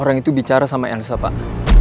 orang itu bicara sama elsa pak